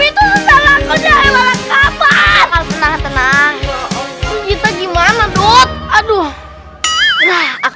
itu setengah aku jangan lelah kabar tenang tenang kita gimana dot aduh aku